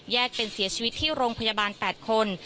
เป็นเสียชีวิตที่โรงพยาบาล๘คน